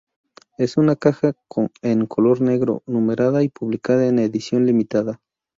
Es una caja en color negro, numerada y publicada en edición limitada.